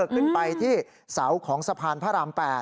ขึ้นไปที่เสาของสะพานพระราม๘